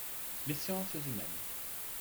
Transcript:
Les sciences humaines.